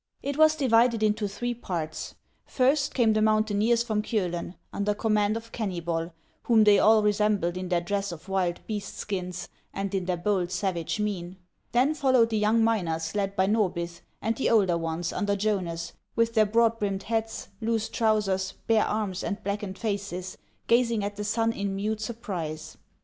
It was divided into three parts. First came the mountaineers from Kiolen, under command of Kennybol, whom they all resembled in their dress of wild beasts' skins, and in their bold, savage mien. Then followed the young miners led by Xorbith, and the older ones under Jonas, with their broad brimmed hats, loose trousers, bare arms, and blackened faces, gazing at the sun in mute sur prise.